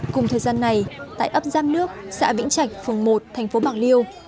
cùng thời gian này tại ấp giang nước xã vĩnh trạch phường một thành phố bạc liêu